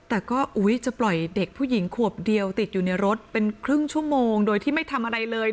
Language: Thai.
แต่ก็จะปล่อยเด็กผู้หญิงขวบเดียวติดอยู่ในรถเป็นครึ่งชั่วโมงโดยที่ไม่ทำอะไรเลย